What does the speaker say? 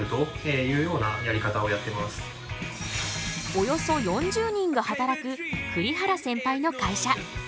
およそ４０人が働く栗原センパイの会社。